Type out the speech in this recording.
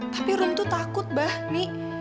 tapi rum tuh takut mbak mi